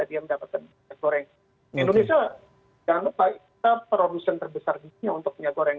indonesia jangan lupa kita produksi terbesar di sini untuk minyak goreng